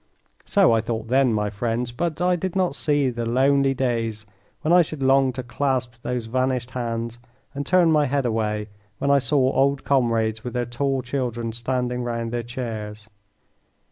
So I thought then, my friends, but I did not see the lonely days when I should long to clasp those vanished hands, and turn my head away when I saw old comrades with their tall children standing round their chairs.